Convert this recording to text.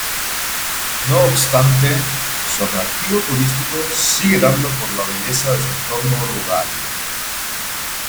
No obstante, su atractivo turístico sigue dado por la belleza de su entorno rural.